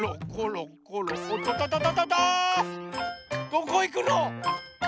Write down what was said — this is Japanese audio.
どこいくの？